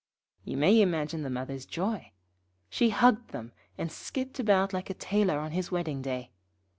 You may imagine the mother's joy. She hugged them, and skipped about like a tailor on his wedding day.